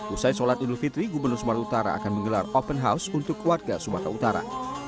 usai sholat idul fitri gubernur sumatera utara akan menggelar open house untuk warga sumatera utara